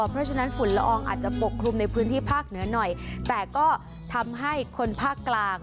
เพราะฉะนั้นฝุ่นละอองอาจจะปกคลุมในพื้นที่ภาคเหนือหน่อยแต่ก็ทำให้คนภาคกลาง